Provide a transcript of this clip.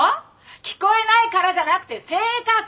聞こえないからじゃなくて性格！